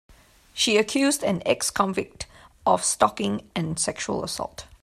She accused an ex-convict of stalking and sexual assault.